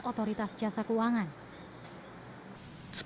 fintech ini juga memiliki masalah yang menyebabkan kekuasaan keuangan